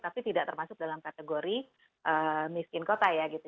tapi tidak termasuk dalam kategori miskin kota ya gitu